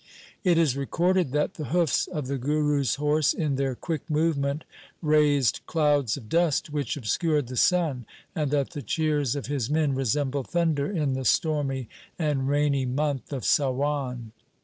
It is recorded that the hoofs of the Guru's horse in their quick movement raised clouds of dust which obscured the sun, and that the cheers of his men resembled thunder in the stormy and rainy month of Sawan.